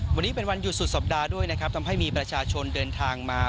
วันนี้เป็นวันหยุดสุดสัปดาห์ด้วยนะครับทำให้มีประชาชนเดินทางมา